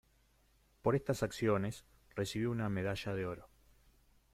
Por estas acciones, recibió una medalla de oro.